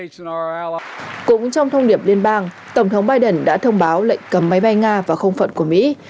cũng trong thông điệp liên bang tổng thống biden đã thông báo lệnh cấm máy bay nga và không phận của mỹ